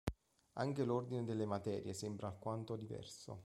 Anche l'ordine delle materie sembra alquanto diverso.